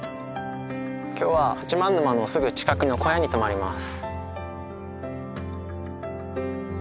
今日は八幡沼のすぐ近くの小屋に泊まります。